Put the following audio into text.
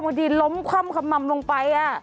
บางทีล้มคว่ำคำมำลงไปอ่ะ